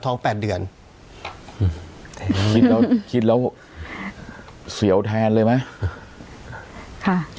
ท้องแปดเดือนคิดแล้วเสียวแทนเลยไหมค่ะ